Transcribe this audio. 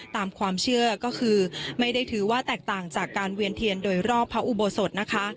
ตามความเชื่อก็คือไม่ได้ถือว่าแตกต่างจากการเวียนเทียนโดยรอบพระอุโบสถนะคะ